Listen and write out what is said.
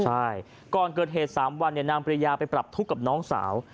ใช่ก่อนเกิดเหตุ๓วันนางปริยาไปปรับทุกข์กับน้องสาว